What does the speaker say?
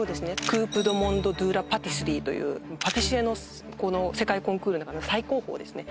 クープ・ド・モンド・ドゥ・ラ・パティスリーというパティシエの世界コンクールの中でも最高峰ですね